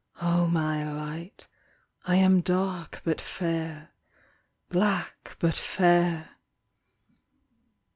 O my light, I am dark but fair, Black but fair.